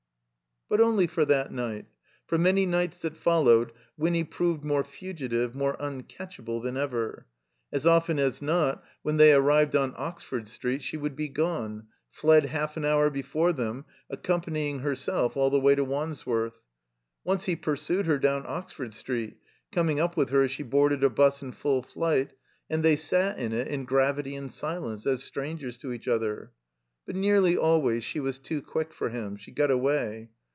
But only for that night. For many nights that followed Winny proved more fugitive, more uncatch able than ever. As often as not, when they arrived in Oxford Street, she would be gone, fled half an hour before them, accompanying herself all the way to Wandsworth. Once he pursued her down Orford Street, coming up with her as she boarded a bus in f tdl flight ; and they sat in it in gravity and silence, as strangers to eadi other. But nearly always she was too quick for him; she got away.